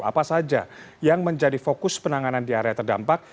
apa saja yang menjadi fokus penanganan di area terdampak